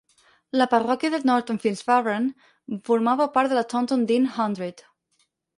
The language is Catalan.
La parròquia de SNorton Fitzwarren formava part de la Taunton Deane Hundred.